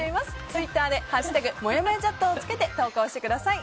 ツイッターで「＃もやもやチャット」をつけて投稿してください。